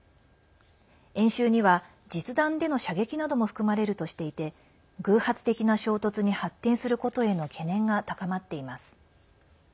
演習には、実弾での射撃なども含まれるとしていて偶発的な衝突に発展することへの懸念が高まっています。